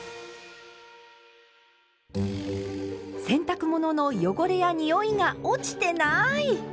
洗濯物の汚れやにおいが落ちてない！